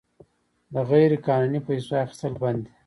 د غیرقانوني پیسو اخیستل بند دي؟